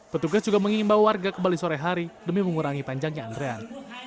petugas juga mengingin bawa warga kembali sore hari demi mengurangi panjangnya antrian